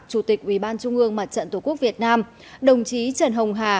chủ tịch ủy ban trung ương mặt trận tổ quốc việt nam đồng chí trần hồng hà